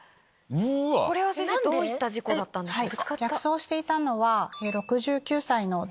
これは先生どういった事故だったんでしょうか？